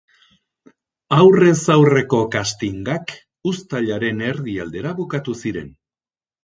Aurrez aurreko castingak uztailaren erdialdera bukatu ziren.